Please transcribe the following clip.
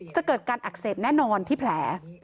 จะเกิดการอักเสบแน่นอนที่แผล